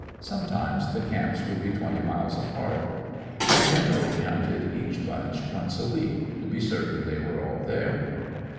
Some times the camps would be twenty miles apart. I generally counted each bunch once a week, to be certain they were all there.